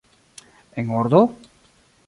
En ordo?